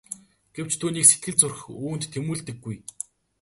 Гэвч түүний сэтгэл зүрх үүнд тэмүүлдэггүй.